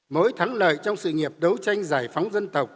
mỗi thắng lợi trong sự nghiệp đấu tranh giải phóng dân tộc